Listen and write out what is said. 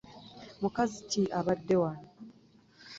Mukazi ki abadde wano?